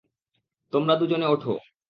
তোমরা দুজনে ওঠো।